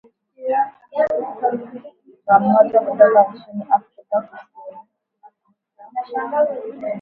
na mmoja kutoka nchini afrika kusini